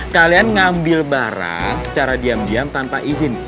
kalian ngambil barang secara diam diam tanpa izin